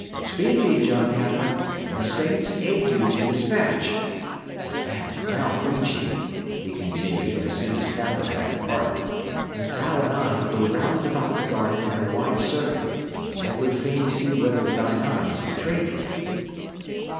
Speed ye, John Capper, and the saints aid you to despatch. And now, Greensheve," he continued, as soon as Capper had departed, "let thou and I go round about the garden in a wide circuit. I would fain see whether thine eyes betrayed thee."